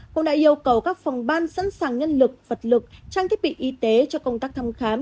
cũng đã yêu cầu các phòng ban sẵn sàng nhân lực vật lực trang thiết bị y tế cho công tác thăm khám